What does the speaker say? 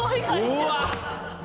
うわっ！